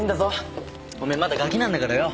お前まだガキなんだからよ。